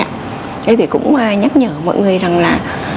thế thì cũng nhắc nhở mọi người rằng là